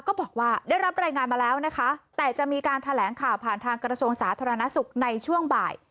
ก็บอกว่าได้รับรายงานมาแล้วนะคะแต่จะมีการแถลงข่าวผ่านทางกระทรวงสาธารณสุขในช่วงบ่าย